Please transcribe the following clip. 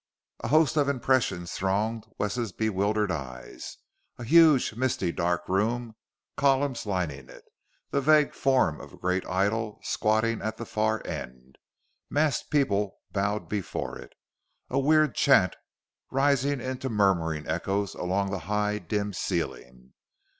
A host of impressions thronged Wes's bewildered eyes: a huge, misty dark room, columns lining it the vague form of a great idol squatting at the far end, massed people bowed before it a weird chant rising into murmuring echoes along the high, dim ceiling.